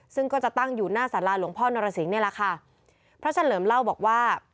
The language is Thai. ซึ่งก็จะตั้งอยู่หน้าสาราหลวงพ่อนรสิงห์นี่แหละค่ะพระเฉลิมเล่าบอกว่า